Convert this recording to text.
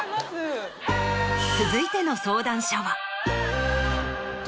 続いての相談者は。